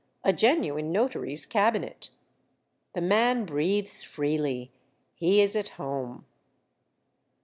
A genuine notary's cabinet. The man breathes freely. He is at home.